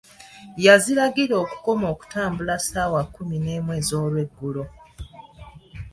Yaziragira okukoma okutambula ssaawa kkumi n'emu ez'olweggulo.